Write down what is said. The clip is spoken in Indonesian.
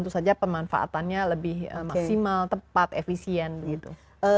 tentu saja pemanfaatannya lebih maksimal tepat efisien gitu